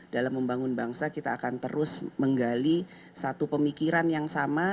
dalam membangun bangsa kita akan terus menggali satu pemikiran yang sama